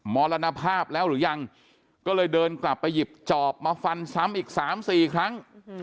มรณภาพแล้วหรือยังก็เลยเดินกลับไปหยิบจอบมาฟันซ้ำอีก๓๔ครั้ง